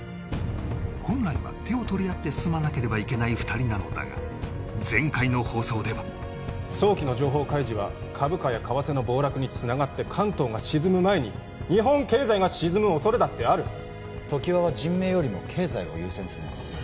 本来は手を取り合って進まなければいけない２人なのだが前回の放送では早期の情報開示は株価や為替の暴落につながって関東が沈む前に日本経済が沈むおそれだってある常盤は人命よりも経済を優先するのか？